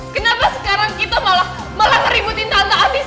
kenapa sekarang kita malah malah ngeributin tante andis